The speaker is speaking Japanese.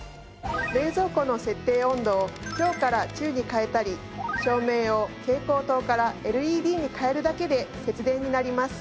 冷蔵庫の設定温度を「強」から「中」に変えたり照明を蛍光灯からＬＥＤに替えるだけで節電になります。